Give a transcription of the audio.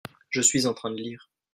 je suis en train de lire.